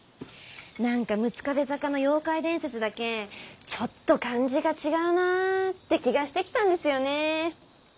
何か六壁坂の妖怪伝説だけちょっと感じが違うなァって気がしてきたんですよねェー。